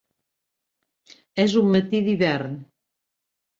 És un matí d'hivern.